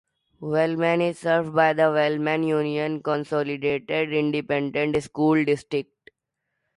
Wellman is served by the Wellman-Union Consolidated Independent School District.